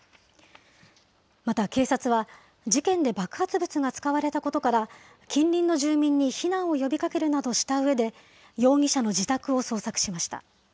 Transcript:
また警察は、事件で爆発物が使われたことから、近隣の住民に避難を呼びかけるなどしたうえで、容疑者の自宅を捜索しました。